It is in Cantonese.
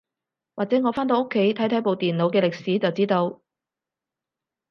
或者我返到屋企睇睇部電腦嘅歷史就知道